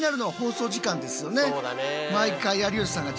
そうだね。